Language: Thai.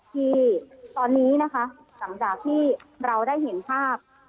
ที่ตอนนี้นะคะหลังจากที่เราได้เห็นภาพ